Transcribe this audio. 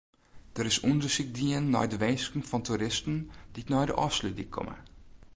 Der is ûndersyk dien nei de winsken fan toeristen dy't nei de Ofslútdyk komme.